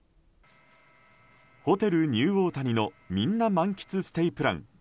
ホテルニューオータニのみんな満喫ステイプラン